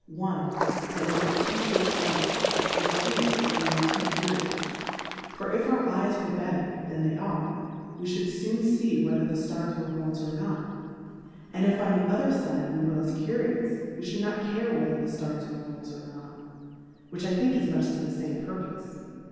i . That we are too fl)OYt fight ed^ or, 2. We are too curious :, for, if our Eyes w^ere better than they are, we fhould foon fee whether the Stars were Worlds or not ; and if on the other fide we were lefs Curious, we fhould not care whether the Stars are Worlds or not, which I think is much to the fame Purpofe.